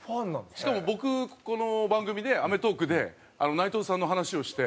しかも僕この番組で『アメトーーク』で内藤さんの話をして。